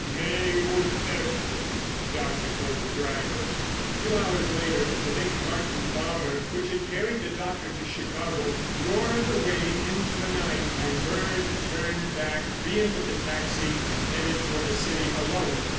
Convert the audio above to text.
"Maywood airdrome," the doctor told the driver. Two hours later the big Martin bomber which had carried the doctor to Chicago roared away into the night, and Bird turned back, reentered the taxi, and headed for the city alone.